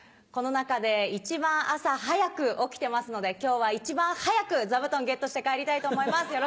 この中で一番朝早く起きてますので今日は一番早く座布団ゲットして帰りたいと思います。